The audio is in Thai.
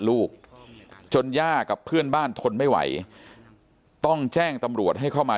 ลูกจนย่ากับเพื่อนบ้านทนไม่ไหวต้องแจ้งตำรวจให้เข้ามา